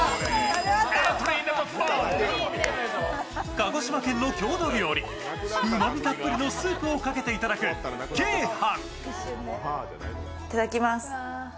鹿児島県の郷土料理、うまみたっぷりのスープをかけていただく鶏飯。